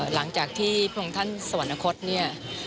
หลังจากที่พระองค์ท่านสวรรคตเนี่ย